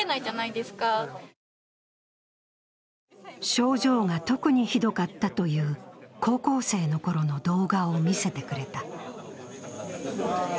症状が特にひどかったという高校生のころの動画を見せてくれた。